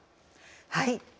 はい。